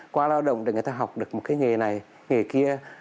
qua lao động thì người ta học được một cái nghề này nghề kia